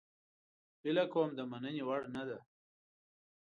هیله کوم د مننې وړ نه ده